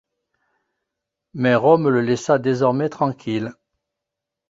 Mais Rome le laissa désormais tranquille.